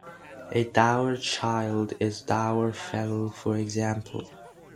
A dour childe is dour fellow for example.